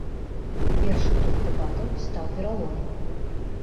Першы тур дэбатаў стаў пераломным.